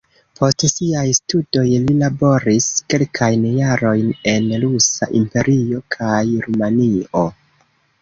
Post siaj studoj li laboris kelkajn jarojn en Rusa Imperio kaj Rumanio.